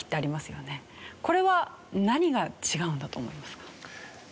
これは何が違うんだと思いますか？